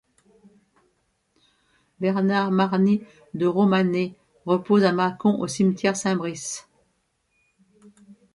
Bernard Barny de Romanet repose à Mâcon, au cimetière Saint Brice.